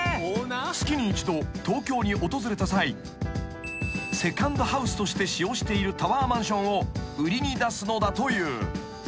［月に一度東京に訪れた際セカンドハウスとして使用しているタワーマンションを売りに出すのだという］